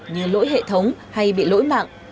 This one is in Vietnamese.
như lỗi hệ thống hay bị lỗi mạng